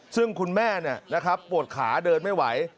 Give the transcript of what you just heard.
ซึ่งคุณแม่ปวดขาเดินไม่ไหว